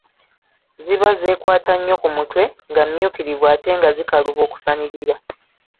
"Ziba zeekwata nnyo ku mutwe, nga mmyukirivu ate nga zikaluba okusanirira."